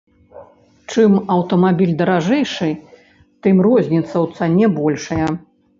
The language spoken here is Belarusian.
Чым аўтамабіль даражэйшы, тым розніца ў цане большая.